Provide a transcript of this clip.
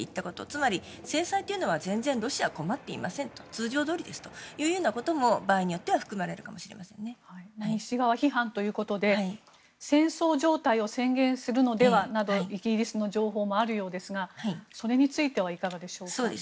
つまり制裁では全然ロシアは困っていませんと通常どおりですというようなことも場合によっては西側批判ということで戦争状態を宣言するのではなどというイギリスの情報もあるようですがそれについてはいかがでしょうか。